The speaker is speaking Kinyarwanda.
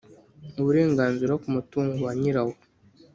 uburenganzira kumutungo wanyira wo